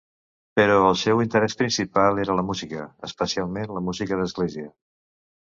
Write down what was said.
Però el seu interès principal era la música, especialment la música d'església.